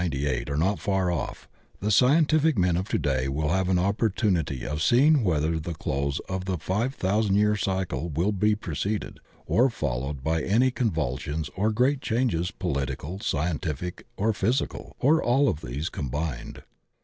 As 1897 98 are not far off, the sci entific men of to day will have an opportunity of see ing whether the close of the five thousand year cycle w3l be preceded or followed by any convulsions or great changes political, scientific or physical, or all of tfiese combined.